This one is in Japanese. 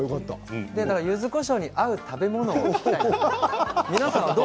だから、ゆずこしょうに合う食べ物を聞きたいです。